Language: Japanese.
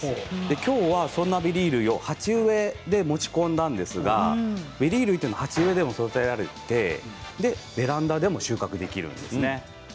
きょうは、そんなベリー類を鉢植えで持ち込んだんですがベリー類は鉢植えでも育てられてベランダでも収穫できるんですね。